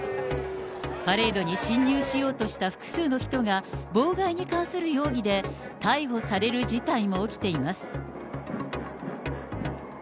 パレードに侵入しようとした複数の人が、妨害に関する容疑で逮捕される事態も起きています。